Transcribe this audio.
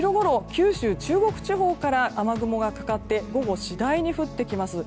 九州、中国地方から雨雲がかかって午後、次第に降ってきます。